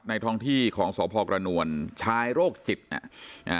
ท้องที่ของสพกระนวลชายโรคจิตเนี่ยอ่า